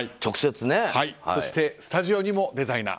そして、スタジオにもデザイナー。